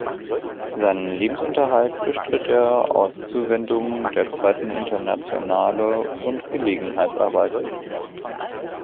Seinen Lebensunterhalt bestritt er aus Zuwendungen der Zweiten Internationale und Gelegenheitsarbeiten.